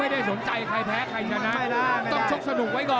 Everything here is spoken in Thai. ไม่ได้สนใจใครแพ้ใครชนะต้องชกสนุกไว้ก่อน